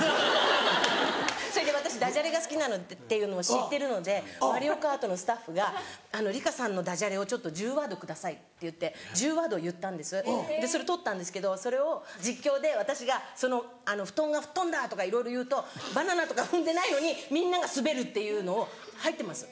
それで私ダジャレが好きっていうのも知ってるので『マリオカート』のスタッフが梨香さんのダジャレを１０ワードくださいって言って１０ワードを言ったんですでそれとったんですけどそれを実況で私がその「布団が吹っ飛んだ！」とかいろいろ言うとバナナとか踏んでないのにみんなが滑るっていうのを入ってます